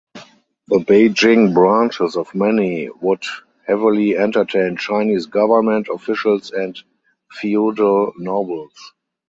The Beijing branches of many would heavily entertain Chinese government officials and feudal nobles.